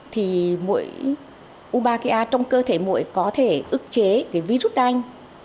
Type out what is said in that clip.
thì mũi wombakia trong cơ thể mũi có thể ức chế cái virus đanh